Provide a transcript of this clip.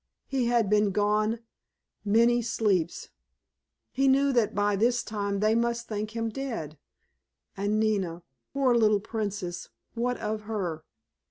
He had been gone "many sleeps"! He knew that by this time they must think him dead. And Nina—poor little Princess—what of her?